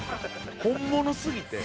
本物すぎて。